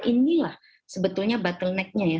inilah sebetulnya bottleneck nya ya